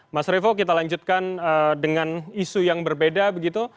mas revo kita lanjutkan dengan isu yang berbeda begitu